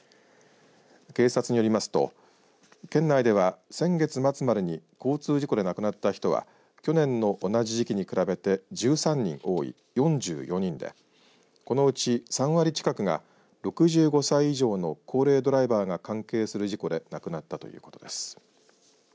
警察によりますと県内では、先月末までに交通事故で亡くなった人は去年の同じ時期に比べて１３人多い４４人で、このうち３割近くが６５歳以上の高齢ドライバーが関係する事故で亡くなったということです。